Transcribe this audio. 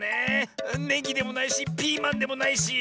ネギでもないしピーマンでもないし。